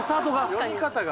読み方が。